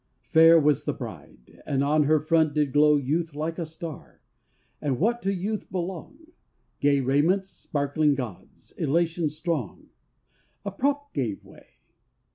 Fair was the bride, and on her front did glow Youth like a star; and what to youth belong, Gay raiment sparkling gauds, elation strong. A prop gave way!